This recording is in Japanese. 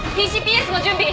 ＰＣＰＳの準備。